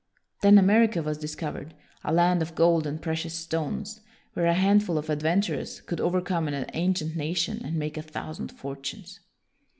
Then America was discovered, a land of gold and precious stones, where a hand ful of adventurers could overcome an an cient nation and make a thousand fortunes.